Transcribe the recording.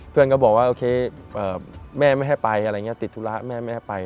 เพื่อนก็บอกที่แม่ไม่ให้ไปติดธุระแม่ไม่ให้ไป